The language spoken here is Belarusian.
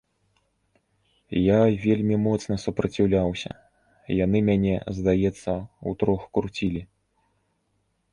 Я вельмі моцна супраціўляўся, яны мяне, здаецца, утрох круцілі.